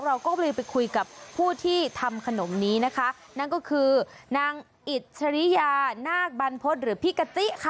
เราก็เลยไปคุยกับผู้ที่ทำขนมนี้นะคะนั่นก็คือนางอิจฉริยานาคบรรพฤษหรือพี่กะจิค่ะ